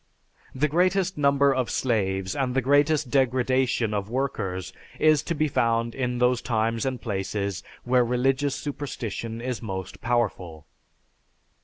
The greatest number of slaves and the greatest degradation of workers is to be found in those times and places where religious superstition is most powerful.